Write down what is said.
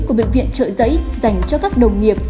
của bệnh viện trợ giấy dành cho các đồng nghiệp